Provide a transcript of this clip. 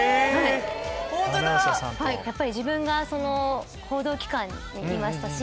自分が報道機関にいましたし。